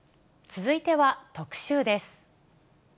続いては特集です。